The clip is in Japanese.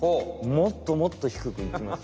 もっともっと低くいきます。